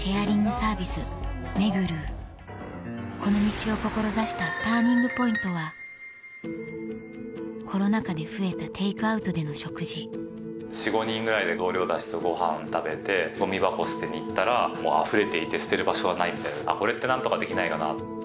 この道を志したＴＵＲＮＩＮＧＰＯＩＮＴはコロナ禍で増えたテイクアウトでの食事４５人ぐらいで同僚たちとごはんを食べてゴミ箱捨てに行ったらもうあふれていて捨てる場所はないみたいなこれって何とかできないかな。